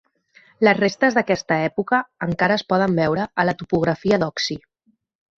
Les restes d'aquesta època encara es poden veure a la topografia d'Oxie.